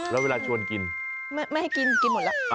แล้วเวลาชวนกินไม่ให้กินกินหมดแล้ว